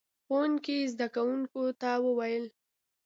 ښوونکي زده کوونکو ته وويل: